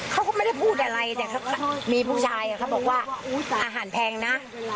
เขาก็ไม่ได้พูดอะไรแต่มีผู้ชายเขาบอกว่าอาหารแพงนะ